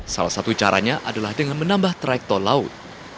salah satu caranya adalah dengan menambah traik tol laut